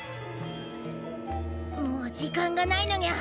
もう時間がないのにゃ！